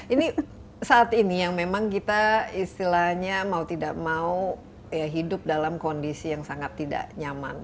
ini saat ini yang memang kita istilahnya mau tidak mau hidup dalam kondisi yang sangat tidak nyaman